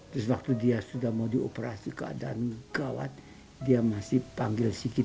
terus waktu dia sudah mau dioperasi keadaan gawat dia masih panggil sikit